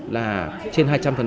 là trên hai trăm linh